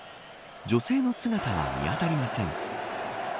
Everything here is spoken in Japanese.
女性の姿は見当たりません。